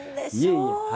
いえいえ。